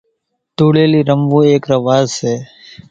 ڌوڙِيلي رموون ايڪ رواز سي